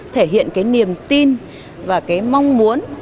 thể hiện cái niềm tin và cái mong muốn